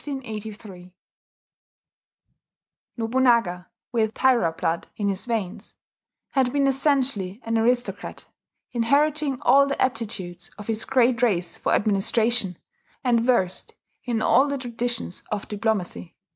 Nobunaga, with Taira blood in his veins, had been essentially an aristocrat, inheriting all the aptitudes of his great race for administration, and versed in all the traditions of diplomacy.